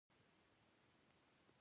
بسنت ورما یو تېز بالر وو.